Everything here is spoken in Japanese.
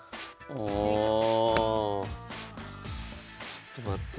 ちょっと待って。